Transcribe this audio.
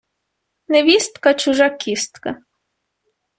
невістка – чужа кістка